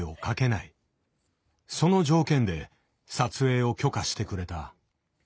その条件で撮影を許可してくれた。